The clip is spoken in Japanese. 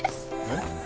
えっ？